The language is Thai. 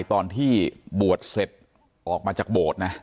ตอนที่บวชเสร็จออกมาจากโบสถ์นะ